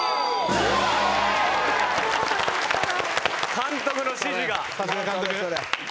監督の指示が！